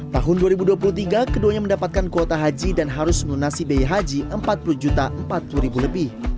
tahun dua ribu dua puluh tiga keduanya mendapatkan kuota haji dan harus melunasi biaya haji rp empat puluh empat puluh lebih